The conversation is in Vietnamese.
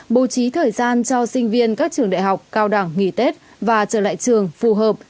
bố trí thời gian cho sinh viên các trường đại học cao đẳng nghỉ tết và trở lại trường phù hợp